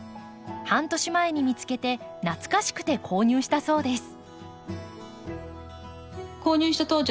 半年前に見つけて懐かしくて購入したそうです。